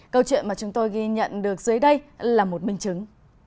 câu chuyện mà chúng tôi ghi nhận được dưới đây là một minh chứng